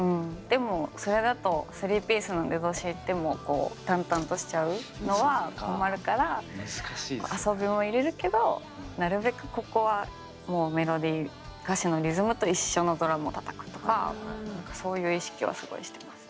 でもそれだと３ピースの出だしでも淡々としちゃうのは困るから遊びも入れるけどなるべくここはメロディー歌詞のリズムと一緒のドラムをたたくとかそういう意識はすごいしてます。